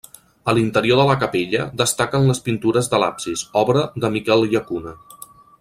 A l'interior de la capella destaquen les pintures de l'absis, obra de Miquel Llacuna.